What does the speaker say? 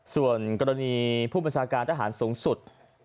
ส่วนกรณีผู้บัญชาการทหารสูงสุด